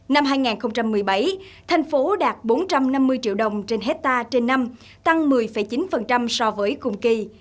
năm hai nghìn một mươi bảy thành phố đạt bốn trăm năm mươi triệu đồng trên hectare trên năm tăng một mươi chín so với cùng kỳ